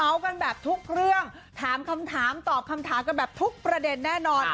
กันแบบทุกเรื่องถามคำถามตอบคำถามกันแบบทุกประเด็นแน่นอน